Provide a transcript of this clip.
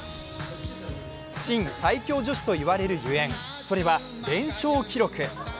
新最強女子と言われるゆえん、それは連勝記録。